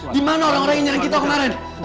dimana orang orang yang nyarang kita kemarin